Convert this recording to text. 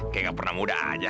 kayak gak pernah muda aja